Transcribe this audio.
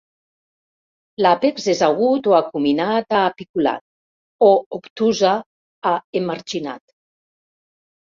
L'àpex és agut o acuminat a apiculat, o obtusa a emarginat.